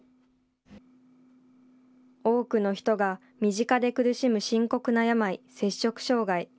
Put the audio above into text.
多くの人が身近で苦しむ深刻な病、摂食障害。